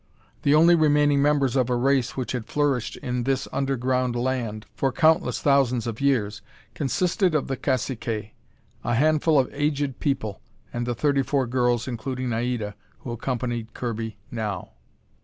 The only remaining members of a race which had flourished in this underground land for countless thousands of years, consisted of the caciques, a handful of aged people, and the thirty four girls, including Naida, who accompanied Kirby now.